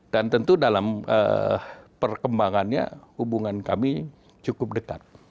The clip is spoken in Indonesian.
dan tentu dalam perkembangannya hubungan kami cukup dekat